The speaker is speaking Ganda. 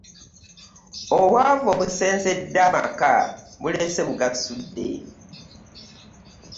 Obwavu obusensedde amaka bulese bugasudde.